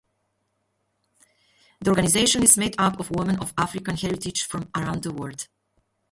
The organisation is made up of women of African heritage from around the world.